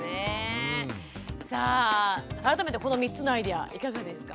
さあ改めてこの３つのアイデアいかがですか？